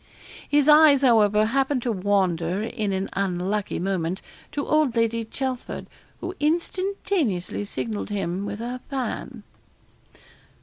His eyes, however, happened to wander, in an unlucky moment, to old Lady Chelford, who instantaneously signalled to him with her fan.